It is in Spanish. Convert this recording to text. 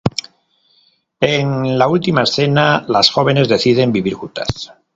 En la última escena, las jóvenes deciden vivir juntas.